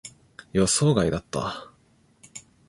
予想外だった。